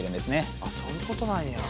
あそういうことなんや。